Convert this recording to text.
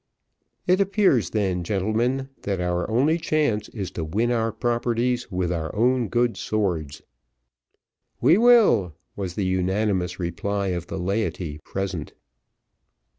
"It appears then, gentlemen, that our only chance is to win our properties with our own good swords." "We will!" was the unanimous reply of the laity present.